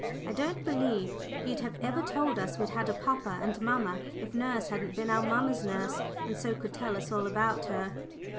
I don't believe he'd have ever told us we'd had a papa and mamma if nurse hadn't been our mamma's nurse, and so could tell us all about her."